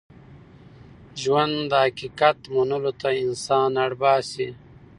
ژوند د حقیقت منلو ته انسان اړ باسي.